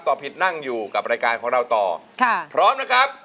ตอบผิดนั่งอยู่กับรายการของเราต่อค่ะพร้อมนะครับ